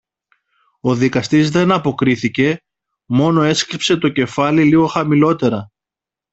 Ο δικαστής δεν αποκρίθηκε, μόνο έσκυψε το κεφάλι λίγο χαμηλότερα.